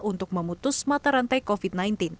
untuk memutus mata rantai covid sembilan belas